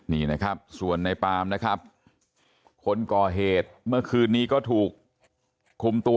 นี่นะครับส่วนในปามนะครับคนก่อเหตุเมื่อคืนนี้ก็ถูกคุมตัว